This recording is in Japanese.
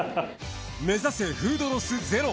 目指せフードロスゼロ。